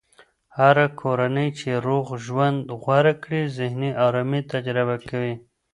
هره کورنۍ چې روغ ژوند غوره کړي، ذهني ارامي تجربه کوي.